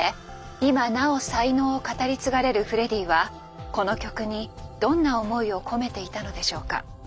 今なお才能を語り継がれるフレディはこの曲にどんな思いを込めていたのでしょうか。